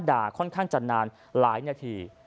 ค่อนข้างจะนานหลายนาที